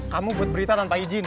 kamu buat berita tanpa izin